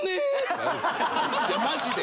いやマジで。